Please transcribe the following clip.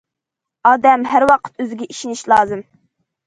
ئادەم ھەر ۋاقىت ئۆزىگە ئىشىنىشى لازىم.